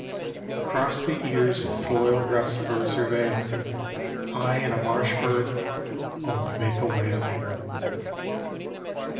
Across the ears of Toil Rest throws her veil, I and a marsh bird only make a wail.